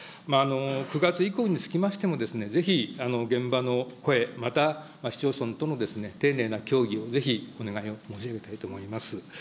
９月以降につきましても、ぜひ現場の声、また市町村との丁寧な協議もぜひ、お願いを申し上げたいと思います。